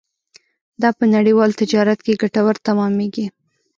دا په نړیوال تجارت کې ګټور تمامېږي.